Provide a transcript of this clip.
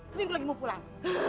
seminggu lagi mau pulang